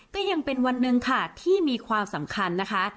ก็ยังเป็นวันหนึ่งค่ะที่มีความสำคัญนะคะ